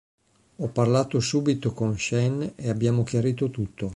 Ho parlato subito con Shane e abbiamo chiarito tutto.